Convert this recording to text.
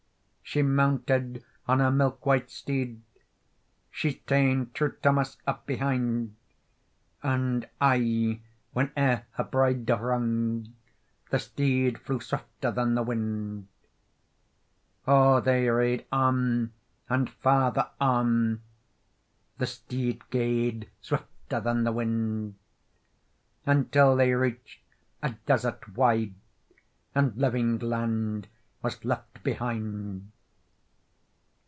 She mounted on her milk white steed, She's taen True Thomas up behind, And aye wheneer her bride rung, The steed flew swifter than the wind. O they rade on, and farther on— The steed gaed swifter than the wind— Until they reached a desart wide, And living land was left behind.